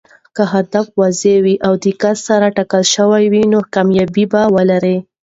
که هدف واضح او دقت سره ټاکل شوی وي، نو کامیابي به ولري.